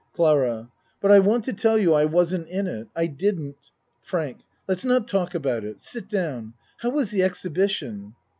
CLARA But I want to tell you I wasn't in it. I didn't FRANK Let's not talk about it. Sit down. How was the exhibition?